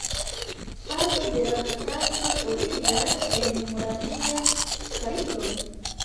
Parto de la katastro troviĝas en Moravia karsto.